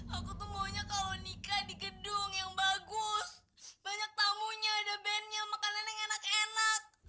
aku tuh maunya kalau nikah di gedung yang bagus banyak tamunya ada bandnya makanan yang enak enak